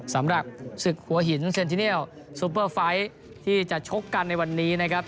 สำหรับศึกหัวหินเซ็นทิเนียลซูเปอร์ไฟล์ที่จะชกกันในวันนี้นะครับ